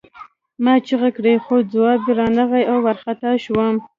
ما چیغې کړې خو ځواب را نغی او وارخطا شوم